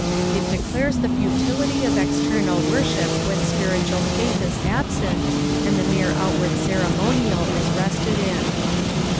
It declares the futility of external worship when spiritual faith is absent, and the mere outward ceremonial is rested in.